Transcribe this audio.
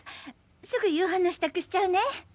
すぐ夕飯の支度しちゃうね！